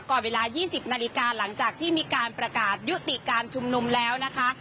เวลา๒๐นาฬิกาหลังจากที่มีการประกาศยุติการชุมนุมแล้วนะคะ